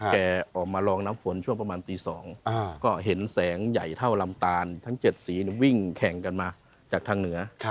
แกออกมาลองน้ำฝนช่วงประมาณตี๒ก็เห็นแสงใหญ่เท่าลำตาลทั้ง๗สีวิ่งแข่งกันมาจากทางเหนือ